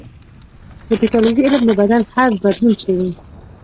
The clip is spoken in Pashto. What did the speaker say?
د پیتالوژي علم د بدن هر بدلون څېړي.